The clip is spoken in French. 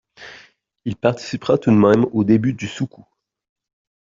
Il participera tout de même aux débuts du soukous.